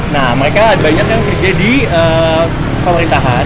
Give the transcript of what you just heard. nah mereka banyak yang kerja di pemerintahan